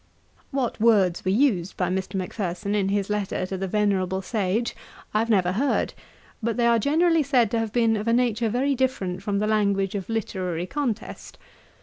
What words were used by Mr. Macpherson in his letter to the venerable Sage, I have never heard; but they are generally said to have been of a nature very different from the language of literary contest.